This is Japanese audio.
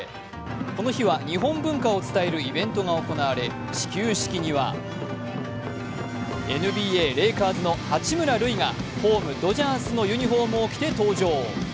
この日は日本文化を伝えるイベントが行われ始球式にはＮＢＡレイカーズの八村塁がホーム・ドジャースのユニフォームを着て登場。